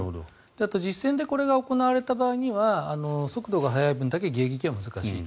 あと実戦でこれが行われた場合には速度が速い分だけ迎撃は難しい。